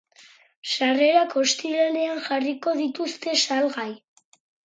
Sarrerak ostiralean jarriko dituzte salgai.